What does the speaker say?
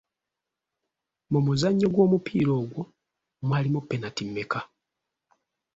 Mu muzannyo gw'omupiira ogwo mwalimu penati mmeka?